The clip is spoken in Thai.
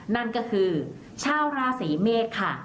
นั่นก็คือชาวราศีเมษค่ะ